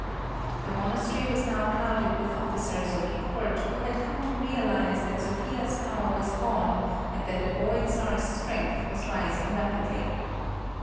The monastery was now crowded with officers of the court who had come to realize that Sophia's power was gone and that the boy Czar's strength was rising rapidly.